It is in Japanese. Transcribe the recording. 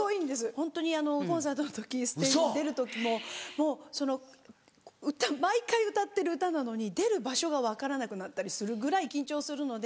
ホントにコンサートの時ステージに出る時ももうその毎回歌ってる歌なのに出る場所が分からなくなったりするぐらい緊張するので。